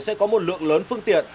sẽ có một lượng lớn phương tiện